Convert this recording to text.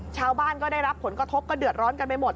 ชาวบ้านก็ได้รับผลกระทบก็เดือดร้อนกันไปหมด